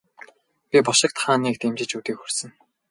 Би бошигт хааныг дэмжиж өдий хүрсэн.